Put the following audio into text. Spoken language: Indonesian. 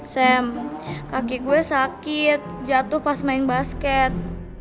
sam kaki gue sakit jatuh pas main basket